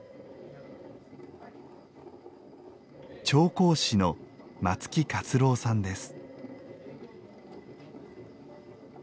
調香師の松木勝朗さんです。